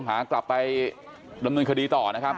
ผู้ตำรวจก็ต้องหากลับไปลำนุนคดีต่อนะครับ